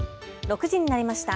６時になりました。